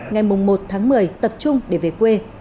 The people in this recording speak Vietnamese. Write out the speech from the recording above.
ngày một tháng một mươi tập trung để về quê